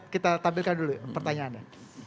kita tampilkan dulu pertanyaannya